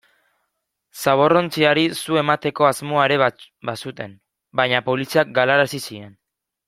Zaborrontziari su emateko asmoa ere bazuten, baina poliziak galarazi zien.